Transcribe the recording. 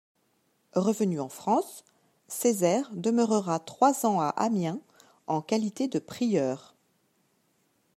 Revenu en France, Césaire demeurera trois ans à Amiens, en qualité de prieur.